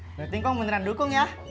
berarti kok beneran dukung ya